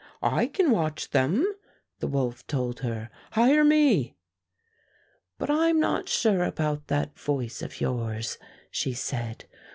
"I can watch them," the wolf told her. "Hire me." "But I'm not sure about that voice of yours," she said.